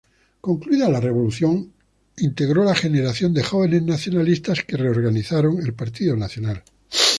Concluida la revolución, integró una generación de jóvenes nacionalistas que reorganizaron el Partido Nacional.